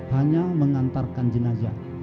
hanya mengantarkan jenazah